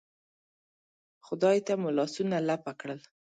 خدای ته مو لاسونه لپه کړل.